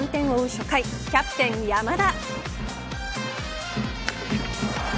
初回キャプテン山田。